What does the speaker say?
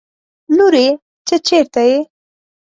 لورې! ته چېرې يې؟